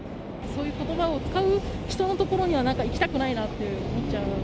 そういうことばを使う人の所には、なんか行きたくないなって思っちゃう。